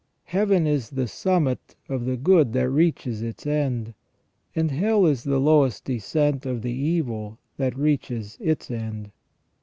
Heaven is the summit of the good that reaches its end, and hell is the lowest descent of the evil that reaches its end.